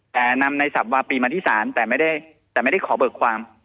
แต่นำในสับวาปีมาที่ศาลแต่ไม่ได้แต่ไม่ได้ขอเบิกความ